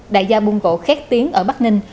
đại gia buôn gỗ khét tiếng ở bắc ninh